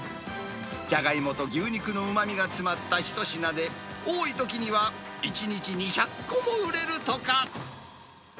ジャガイモと牛肉のうまみが詰まった一品で、多いときには１日２００個も売れるとか。